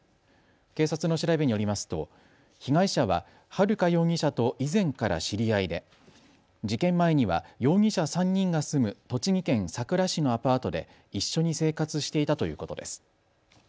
警察の調べによりますと被害者は春香容疑者と以前から知り合いで事件前には容疑者３人が住む栃木県さくら市のアパートで一緒に生活していたということです。